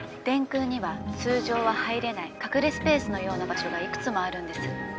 電空には通じょうは入れないかくれスペースのような場しょがいくつもあるんです。